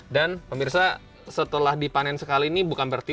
dan pemirsa setelah dipanen sekali ini bukan berarti